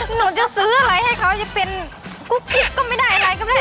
หนูจะซื้ออะไรให้เขาจะเป็นกุ๊กกิ๊บก็ไม่ได้อะไรก็ไม่ได้